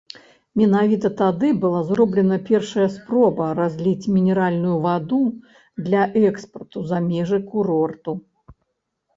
Менавіта тады была зроблена першая спроба разліць мінеральную ваду для экспарту за межы курорту.